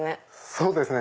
そうですね